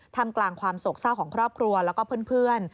ทำกลางความโศกเศร้าของครอบครัวแล้วก็เพื่อน